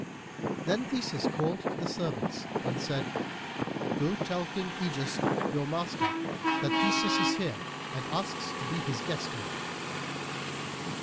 Then Theseus called to the servants and said, "Go tell King Ægeus, your master, that Theseus is here and asks to be his guest awhile."